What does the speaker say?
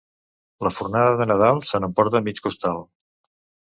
La fornada de Nadal se n'emporta mig costal.